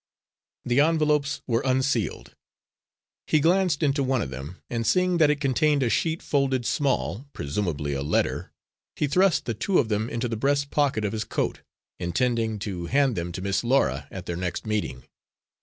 The envelopes were unsealed. He glanced into one of them, and seeing that it contained a sheet, folded small, presumably a letter, he thrust the two of them into the breast pocket of his coat, intending to hand them to Miss Laura at their next meeting.